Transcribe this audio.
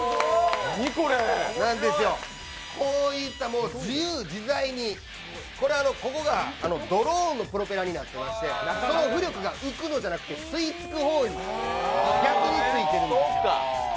こういった、自由自在にこれ、ここがドローンのプロペラになっていましてその浮力が浮くのじゃなくて吸い付く方に、逆についているんです、